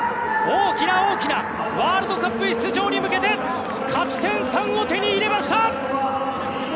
大きな大きなワールドカップ出場に向けて勝ち点３を手に入れました！